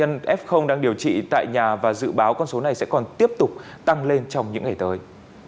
hà nội hiện có khoảng hai năm trăm linh bệnh nhân f đang điều trị tại nhà và dự báo con số này sẽ còn tiếp tục tăng lên trong những ngày tới